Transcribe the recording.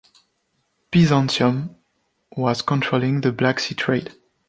Byzantium was controlling the Black Sea trade.